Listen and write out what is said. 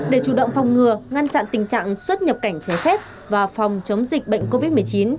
để chủ động phòng ngừa ngăn chặn tình trạng xuất nhập cảnh trái phép và phòng chống dịch bệnh covid một mươi chín